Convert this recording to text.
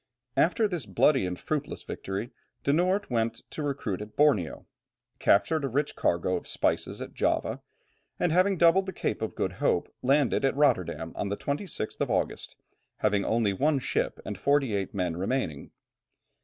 After this bloody and fruitless victory, De Noort went to recruit at Borneo, captured a rich cargo of spices at Java, and having doubled the Cape of Good Hope, landed at Rotterdam on the 26th of August, having only one ship and forty eight men remaining.